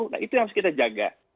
nah itu yang harus kita jaga